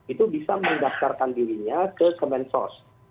itu bisa mendaskarkan dirinya ke kementerian sosial